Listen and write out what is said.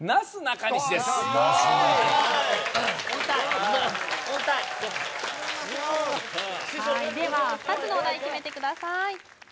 はいでは２つのお題決めてください